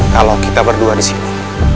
kalau kita berdua disini